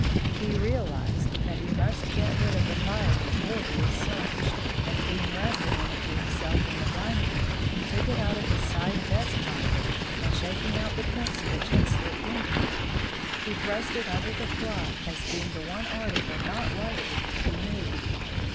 He realised that he must get rid of the phial before he was searched, and, being left a minute to himself in the dining room, he took it out of his side vest pocket, and, shaking out the pencil which had slipped into it, he thrust it under the clock as being the one article not likely to be moved.